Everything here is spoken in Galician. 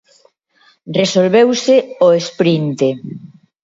Resolveuse ao esprinte.